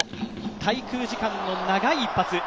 滞空時間の長い一発。